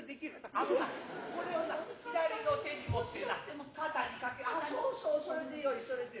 あのなこれをな左の手に持ってな肩に掛けそうそうそれでよいそれでよい。